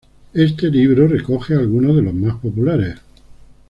Éste libro recoge algunos de los más populares.